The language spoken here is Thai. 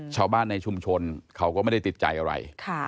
ชาวบ้านในชุมชนเขาก็ไม่ได้ติดใจอะไร